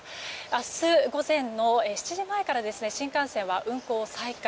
明日午前の７時前から新幹線は運行を再開。